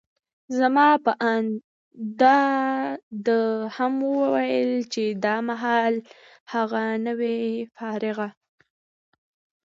زما په اند، ده دا هم وویل چي دا مهال هغه، نه وي فارغه.